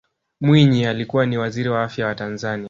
mwinyi alikuwa ni waziri wa afya wa tanzania